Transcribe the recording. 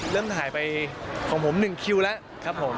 เริ่มถ่ายไปของผม๑คิวแล้วครับผม